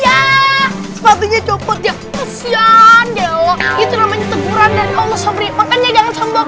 ya sepatunya copot ya kesian ya itu namanya teguran dan allah sabri makanya jangan sembok